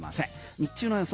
日中の予想